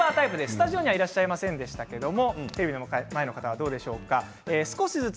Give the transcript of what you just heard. スタジオにはいらっしゃいませんでしたが、テレビの前の方はどうでしょうか。。